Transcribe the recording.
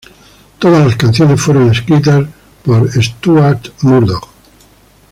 Todas las canciones fueron escritas por Stuart Murdoch.